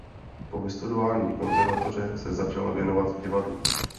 Po vystudování konzervatoře se začala věnovat divadlu.